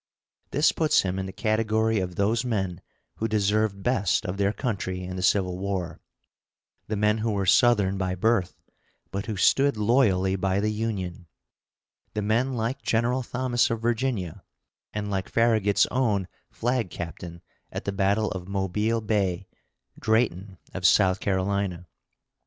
This puts him in the category of those men who deserved best of their country in the Civil War; the men who were Southern by birth, but who stood loyally by the Union; the men like General Thomas of Virginia, and like Farragut's own flag captain at the battle of Mobile Bay, Drayton of South Carolina.